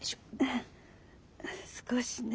少しね。